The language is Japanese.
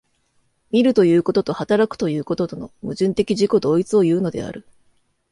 見るということと働くということとの矛盾的自己同一をいうのである。